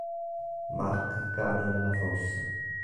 Mark cade nella fossa.